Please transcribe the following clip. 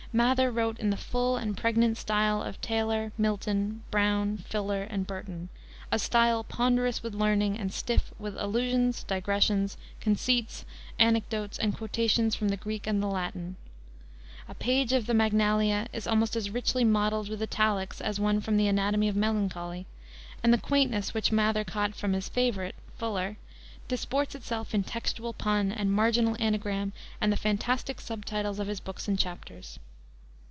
Mather wrote in the full and pregnant style of Taylor, Milton, Browne, Fuller, and Burton, a style ponderous with learning and stiff with allusions, digressions, conceits, anecdotes, and quotations from the Greek and the Latin. A page of the Magnalia is almost as richly mottled with italics as one from the Anatomy of Melancholy, and the quaintness which Mather caught from his favorite Fuller disports itself in textual pun and marginal anagram and the fantastic sub titles of his books and chapters.